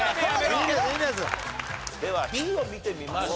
ではＢを見てみましょう。